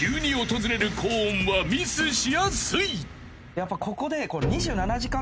やっぱここで。